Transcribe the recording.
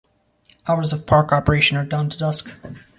Hours of park operation are dawn to dusk.